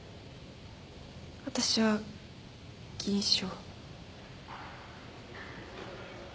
私は銀賞。